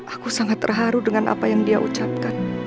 aku sangat terharu dengan apa yang dia ucapkan